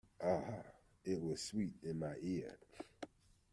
Ah, it was sweet in my ears.